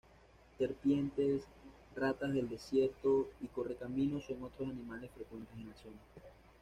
Serpientes, ratas del desierto y correcaminos son otros animales frecuentes en la zona.